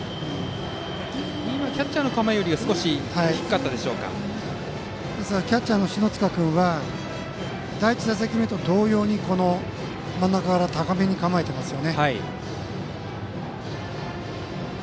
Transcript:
今、キャッチャーの構えよりキャッチャーの篠塚君は第１打席目と同様に真ん中から高めに構えてますね。